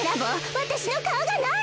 わたしのかおがない！